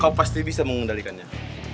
kau pasti bisa mengendalikannya